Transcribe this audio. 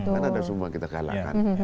kan ada semua kita galakkan